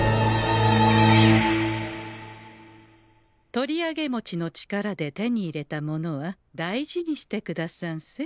『とりあげもち』の力で手に入れたものは大事にしてくださんせ。